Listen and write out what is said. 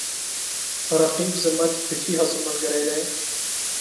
رقیب زما د فکري هڅو ملګری دی